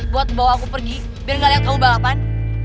buat bawa aku pergi biar gak lihat kamu balapan